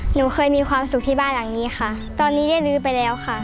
หนูเคยมีความสุขที่บ้านหลังนี้ค่ะตอนนี้ได้ลื้อไปแล้วค่ะ